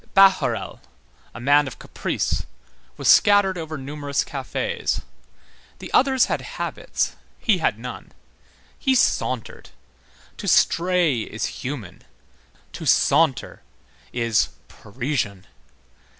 Bahorel, a man of caprice, was scattered over numerous cafés; the others had habits, he had none. He sauntered. To stray is human. To saunter is Parisian.